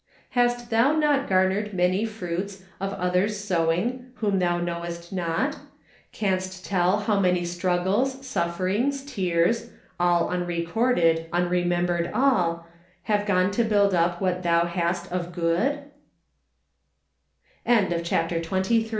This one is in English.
" Hast thou not garnered many fruits Of other's sowing, whom thou knowest not ? Canst tell how many struggles, sufferings, tears, All unrecorded, unremembered all. Have gone to build up what thou hast of good